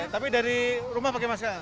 tapi dari rumah pakai masker